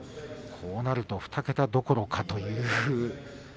こうなると２桁どころかという。